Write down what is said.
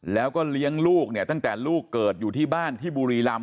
แล้วก็เลี้ยงลูกเนี่ยตั้งแต่ลูกเกิดอยู่ที่บ้านที่บุรีรำ